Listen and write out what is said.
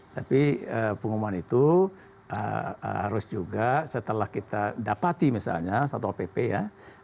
tapi pengumuman itu harus juga setelah kita dapati misalnya satu opp ya